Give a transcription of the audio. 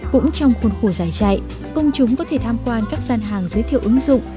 cũng trong khuôn khổ giải chạy công chúng có thể tham quan các gian hàng giới thiệu ứng dụng